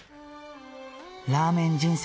ラーメン人生